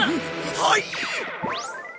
はい！